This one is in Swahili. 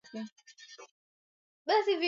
uliokuwa ukionyeshwa na hayati raisi Magufuli